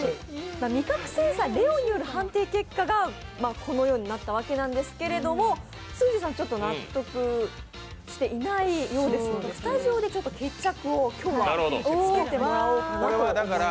味覚センサーレオによる判定結果がこのようになったわけなんですけれどもすーじーさん納得していないようですのでスタジオで決着をつけてもらおうと思います。